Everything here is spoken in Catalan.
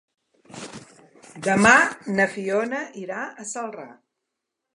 Demà na Fiona irà a Celrà.